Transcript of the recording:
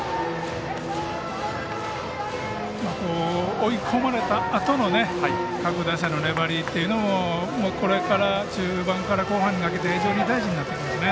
追い込まれたあとの各打者の粘りというのもこれから中盤から後半にかけて非常に大事になってきますね。